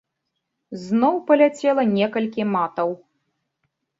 Зноў паляцела некалькі матаў.